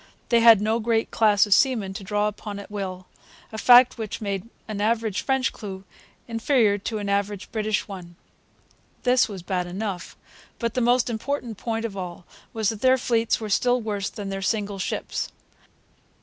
They had no great class of seamen to draw upon at will, a fact which made an average French crew inferior to an average British one. This was bad enough. But the most important point of all was that their fleets were still worse than their single ships.